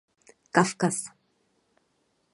Kavkaz.